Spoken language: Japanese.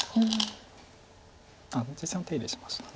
実戦は手入れしました。